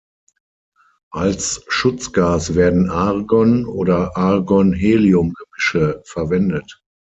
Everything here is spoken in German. Als Schutzgas werden Argon oder Argon-Helium-Gemische verwendet.